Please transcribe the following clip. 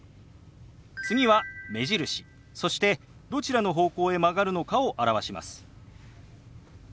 次は目印そしてどちらの方向へ曲がるのかを表します。